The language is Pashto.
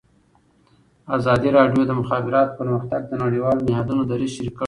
ازادي راډیو د د مخابراتو پرمختګ د نړیوالو نهادونو دریځ شریک کړی.